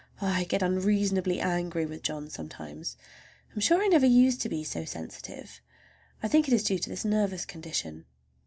I get unreasonably angry with John sometimes. I'm sure I never used to be so sensitive. I think it is due to this nervous condition.